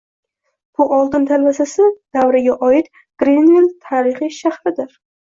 Bu oltin talvasasi davriga oid Grinvill tarixiy shahridir